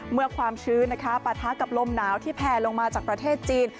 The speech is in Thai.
เมื่อความชื้นนะคะปะทะกับลมหนาวที่แพลลงมาจากประเทศจีน